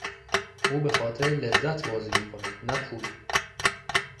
او به خاطر لذت بازی میکند نه پول.